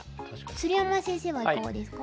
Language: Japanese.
鶴山先生はいかがですか？